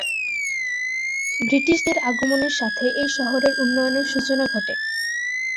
ব্রিটিশদের আগমনের সাথে এই শহরের উন্নয়নের সূচনা ঘটে।